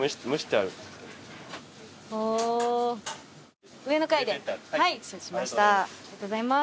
ありがとうございます。